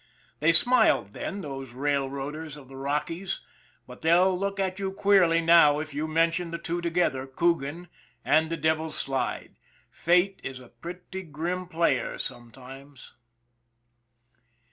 They smiled then, those railroaders of the Rockies, but they'll look at you queerly now if you mention the two together Coogan and the Devil's Slide. Fate is a pretty grim player sometimes.